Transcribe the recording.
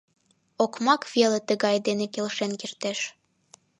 Окмак веле тыгай дене келшен кертеш.